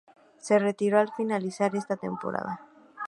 Se retiró al finalizar esa temporada.